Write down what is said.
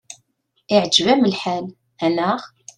Iɛǧeb-am lḥal, anaɣ?